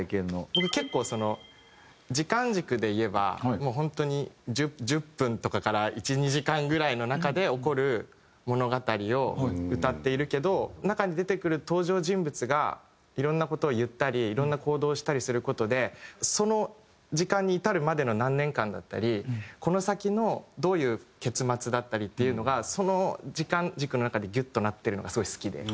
僕結構その時間軸でいえば本当に１０分とかから１２時間ぐらいの中で起こる物語を歌っているけど中に出てくる登場人物がいろんな事を言ったりいろんな行動をしたりする事でその時間に至るまでの何年間だったりこの先のどういう結末だったりっていうのがその時間軸の中でギュッとなってるのがすごい好きで。